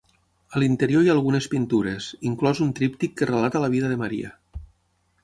A l'interior hi ha algunes pintures, inclòs un tríptic que relata la vida de Maria.